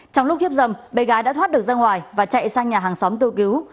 trong lúc hiếp dâm bé gái đã thoát được ra ngoài và chạy sang nhà hàng xóm kêu cứu